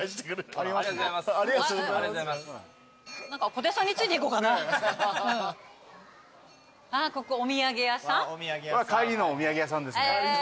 帰りのお土産屋さんですね。